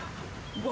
うわ。